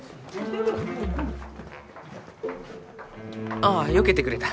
あっよけてくれた。